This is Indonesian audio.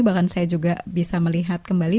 bahkan saya juga bisa melihat kembali